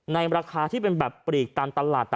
ราคาที่เป็นแบบปลีกตามตลาด